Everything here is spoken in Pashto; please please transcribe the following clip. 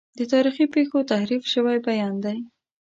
د تاریخي پیښو تحریف شوی بیان دی.